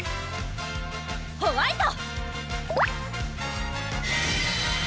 ホワイト！